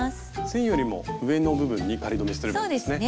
線よりも上の部分に仮留めしてればいいんですね。